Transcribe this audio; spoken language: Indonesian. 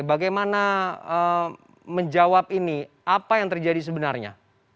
bagaimana menjawab ini apa yang terjadi sebenarnya